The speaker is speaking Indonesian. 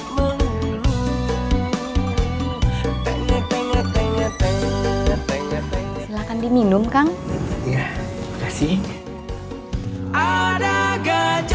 silahkan diminum kang